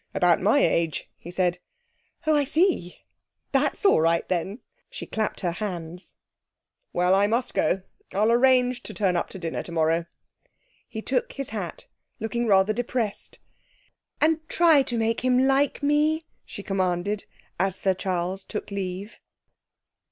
About my age,' he said. 'Oh, I see! That's all right, then!' She clapped her hands. 'Well, I must go. I'll arrange to turn up to dinner tomorrow.' He took his hat, looking rather depressed. 'And try to make him like me!' she commanded, as Sir Charles took leave.